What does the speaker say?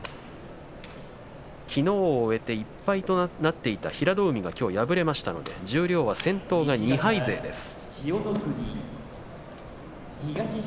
きのうを終えて１敗となっていた平戸海が、きょう敗れましたので十両は先頭が２敗勢です。